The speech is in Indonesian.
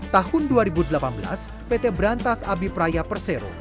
tahun dua ribu delapan belas pt berantas abipraya persero